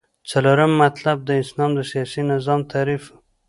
څلورم مطلب : د اسلام د سیاسی نظام تعریف